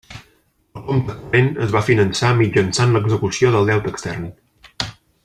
El compte corrent es va finançar mitjançant l’execució del deute extern.